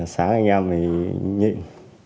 sáng anh em thì nhịn